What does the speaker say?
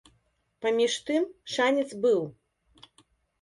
Паміж тым, шанец быў.